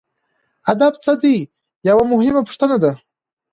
ادب څه دی یوه مهمه پوښتنه ده.